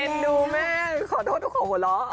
เห็นดูแม่ขอโทษขอหัวเราะ